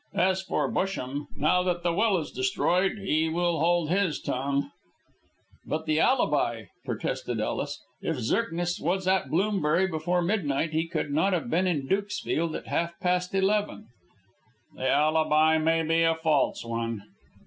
As for Busham, now that the will is destroyed he will hold his tongue." "But the alibi," protested Ellis. "If Zirknitz was at Bloomsbury before midnight, he could not have been in Dukesfield at half past eleven." "The alibi may be a false one."